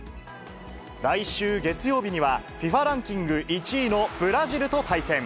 来週月曜日には、ＦＩＦＡランキング１位のブラジルと対戦。